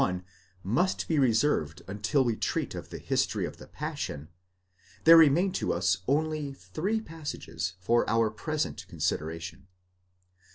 61, must be reserved until we treat of the history of the Passion, there remain to us only three passages for our present consideration.